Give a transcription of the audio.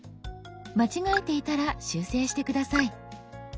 間違えていたら修正して下さい。